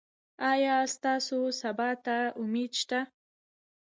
ایا ستاسو سبا ته امید شته؟